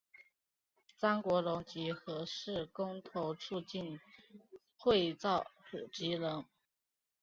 张国龙及核四公投促进会召集人。